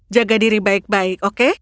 jaga diri baik baik oke